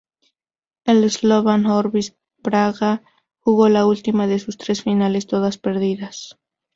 El Slovan Orbis Praga jugó la última de sus tres finales, todas perdidas.